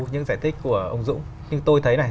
những giải thích của ông dũng nhưng tôi thấy